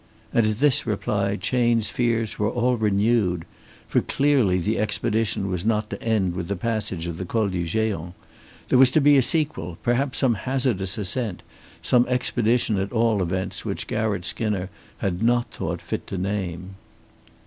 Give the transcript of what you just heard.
And at this reply Chayne's fears were all renewed. For clearly the expedition was not to end with the passage of the Col du Géant. There was to be a sequel, perhaps some hazardous ascent, some expedition at all events which Garratt Skinner had not thought fit to name.